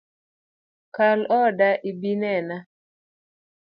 Kal oda ibinena